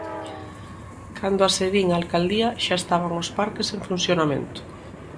Cando accedín á alcaldía xa estaban os parques en funcionamento.